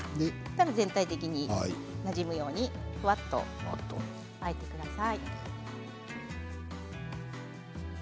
全体的になじむようにふわっとあえてください。